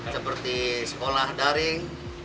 seperti sekolah daring